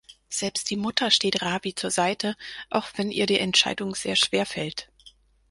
Selbst die Mutter steht Ravi zur Seite, auch wenn ihr die Entscheidung sehr schwerfällt.